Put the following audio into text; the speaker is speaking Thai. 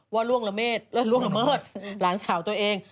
ว่าร่วงละเมษร่วงละเมิดหลานสาวตัวเอง